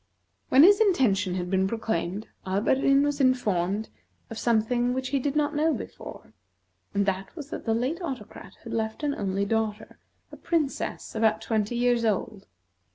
When his intention had been proclaimed, Alberdin was informed of something which he did not know before, and that was that the late Autocrat had left an only daughter, a Princess about twenty years old.